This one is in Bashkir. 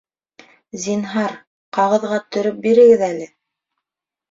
Зинһар, ҡағыҙға төрөп бирегеҙ әле